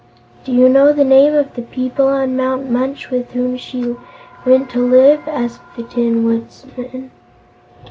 "Do you know the name of the people on Mount Munch, with whom she went to live?" asked the Tin Woodman.